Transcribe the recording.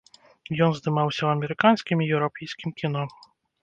Ён здымаўся ў амерыканскім і еўрапейскім кіно.